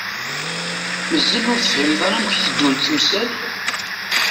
Mazal ur tefhimem ara amek i teddunt temsal?